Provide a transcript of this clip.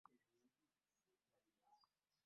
abazadde bakubirizibwe okugemesa abaana baabwe.